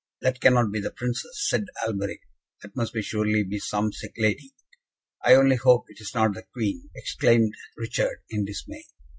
"That cannot be the Princes," said Alberic; "that must surely be some sick lady." "I only hope it is not the Queen," exclaimed Richard, in dismay.